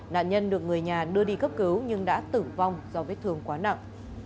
nạn nhân được người nhà đưa đi cấp cứu nhưng đã tử vong do vết thương quá nặng